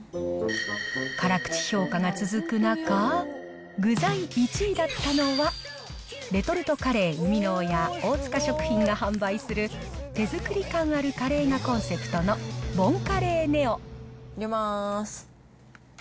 辛口評価が続く中、具材１位だったのは、レトルトカレー生みの親、大塚食品が販売する手作り感あるカレーがコンセプトのボンカレー入れます。